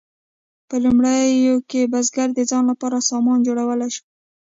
په لومړیو کې بزګر د ځان لپاره سامان جوړولی شو.